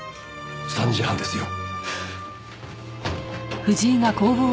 ３時半ですよ。